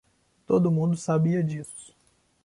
Todo mundo sabia disso.